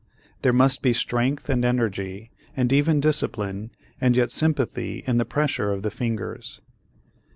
There must be strength and energy and even discipline, and yet sympathy in the pressure of the fingers.